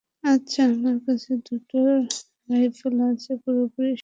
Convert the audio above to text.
আচ্ছা, আমার কাছে দুটো রাইফেল আছে, পুরোপুরি স্বয়ংক্রিয়।